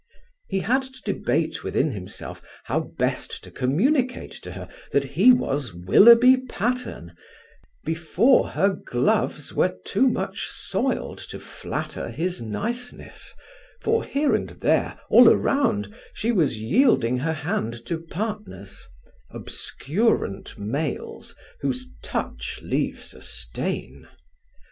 He had to debate within himself how best to communicate to her that he was Willoughby Patterne, before her gloves were too much soiled to flatter his niceness, for here and there, all around, she was yielding her hand to partners obscurant males whose touch leaves a stain.